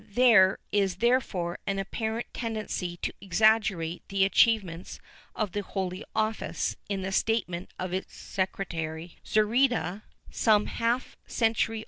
^ There is therefore an apparent tendency to exaggerate the achievements of the Holy Office in the statement of its secretary Zurita, some ^ Pulgar, Cronica, P.